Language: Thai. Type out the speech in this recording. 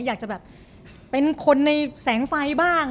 อยากจะแบบเป็นคนในแสงไฟบ้าง